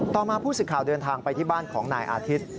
ต่อมาผู้สึกข่าวเดินทางไปที่บ้านของนายอาธิต